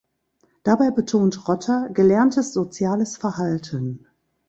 Dabei betont Rotter gelerntes soziales Verhalten.